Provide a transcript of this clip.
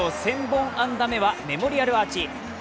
本安打目はメモリアルアーチ。